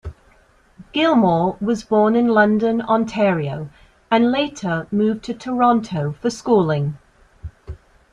Gilmour was born in London, Ontario, and later moved to Toronto for schooling.